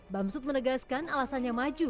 bamsud menegaskan alasannya maju